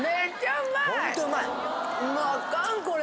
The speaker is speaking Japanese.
うまあかんこれ。